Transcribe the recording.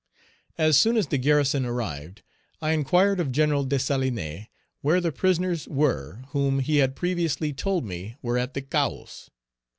As soon as the garrison arrived, I inquired of Gen. Dessalines where the prisoners were whom he had previously told me were at the Cahos.